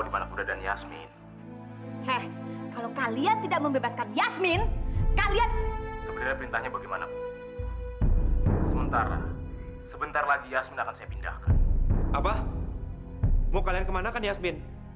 mau kalian kemana kan yasmin